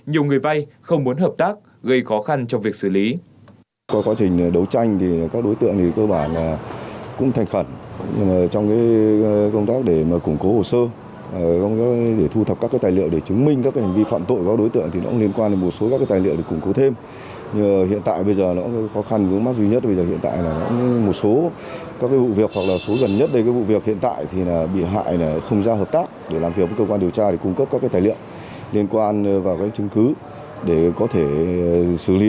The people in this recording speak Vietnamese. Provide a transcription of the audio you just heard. nhiều người vai không muốn hợp tác gây khó khăn trong việc xử lý